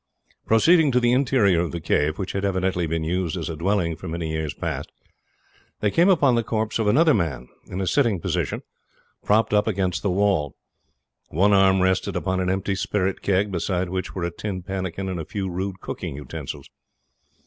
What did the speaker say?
Proceeding to the interior of the cave, which had evidently been used as a dwelling for many years past, they came upon the corpse of another man, in a sitting posture, propped up against the wall. One arm rested upon an empty spirit keg, beside which were a tin pannikin and a few rude cooking utensils.